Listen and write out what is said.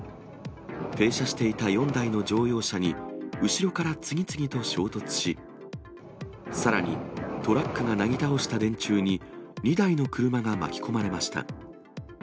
停車していた４台の乗用車に、後ろから次々と衝突し、さらにトラックがなぎ倒した電柱に２台の車が巻き込まれました。